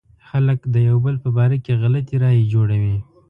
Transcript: خلک د يو بل په باره کې غلطې رايې جوړوي.